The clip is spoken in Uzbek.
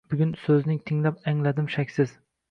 Bugun so’zing tingalab angladim, shaksiz